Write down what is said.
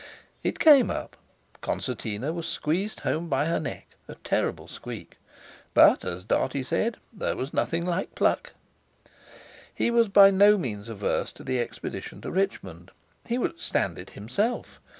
It came up. Concertina was squeezed home by her neck—a terrible squeak! But, as Dartie said: There was nothing like pluck! He was by no means averse to the expedition to Richmond. He would "stand" it himself!